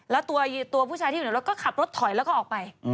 แล้วตัวผู้ชายที่อยู่ในรถก็ขับรถถอยแล้วก็ออกไป